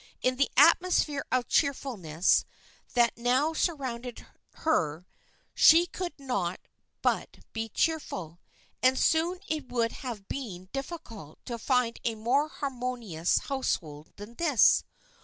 In the atmosphere of cheerfulness that now surrounded her she could not but be cheerful, and soon it would have been difficult to find a more harmonious household than this.